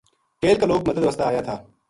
کیل کا لوک مدد واسطے آیاتھا